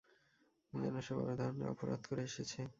যেন সে বড় ধরনের অপরাধ করে এসেছে।